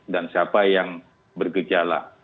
dan siapa yang bergejala